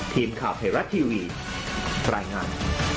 ทีมข่าวไทยรัฐทีวีรายงาน